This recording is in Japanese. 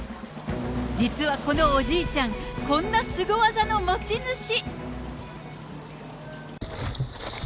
実はこのおじいちゃん、こんなスゴ技の持ち主。